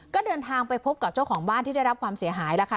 ก็เดินทางไปพบกับเจ้าของบ้านที่ได้รับความเสียหายแล้วค่ะ